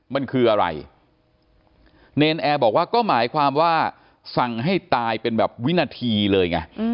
มันคืออะไรเนรนแอร์บอกว่าก็หมายความว่าสั่งให้ตายเป็นแบบวินาทีเลยไง